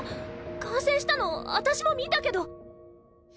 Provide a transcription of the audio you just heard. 感染したのを私も見たけど。